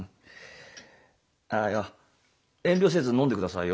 ああいや遠慮せず飲んでくださいよ。